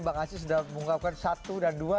bang aziz sudah mengungkapkan satu dan dua